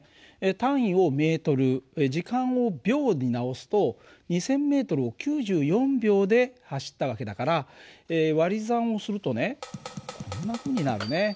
単位をｍ時間を秒に直すと２，０００ｍを９４秒で走った訳だから割り算をするとねこんなふうになるね。